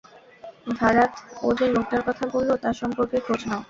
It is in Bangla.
ভারাথ, ও যে লোকটার কথা বললো তার সম্পর্কে খোঁজ নাও।